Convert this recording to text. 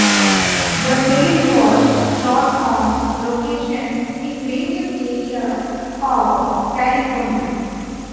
The film was shot on location in various areas of California.